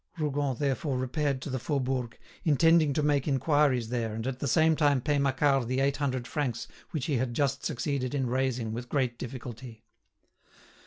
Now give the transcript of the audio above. Rougon therefore repaired to the Faubourg, intending to make inquiries there and at the same time pay Macquart the eight hundred francs which he had just succeeded in raising with great difficulty.